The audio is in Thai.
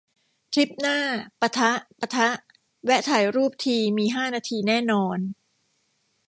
ทริปหน้า ปะทะ ปะทะ แวะถ่ายรูปทีมีห้านาทีแน่นอน